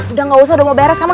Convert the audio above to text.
udah gak usah udah mau beres kamu